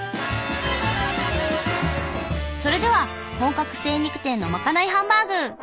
それでは本格精肉店のまかないハンバーグ。